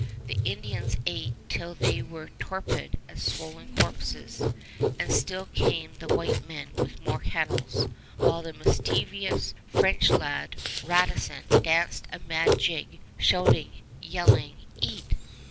The Indians ate till they were torpid as swollen corpses, and still came the white men with more kettles, while the mischievous French lad, Radisson, danced a mad jig, shouting, yelling, "Eat!